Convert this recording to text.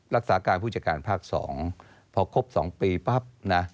รักษาการผู้จัดการภาค๒พอครบ๒ปีปั๊บนะ